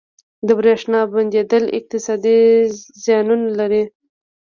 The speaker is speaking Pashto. • د برېښنا بندیدل اقتصادي زیانونه لري.